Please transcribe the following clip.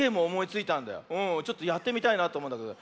ちょっとやってみたいなとおもうんだけど。